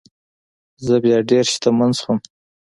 زه بیا ډیر شتمن شوم.